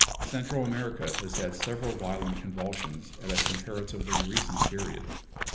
Central America has had several violent convulsions at a comparatively recent period.